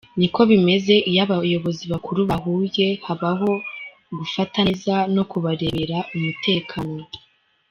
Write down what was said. Ni ko bimeze iyo abayobozi bakuru bahuye habaho kufata neza no kubarebera umutekano”.